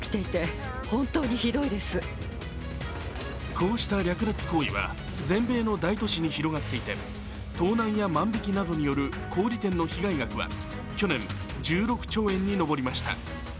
こうした略奪行為は全米の大都市に広がっていて盗難や万引きなどによる小売店の被害額は去年、１６兆円にのぼりました。